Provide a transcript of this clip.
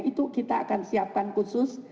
itu kita akan siapkan khusus